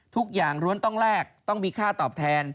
ทุกอย่างล้วนต้องแลกต้องมีค่าตอบแทน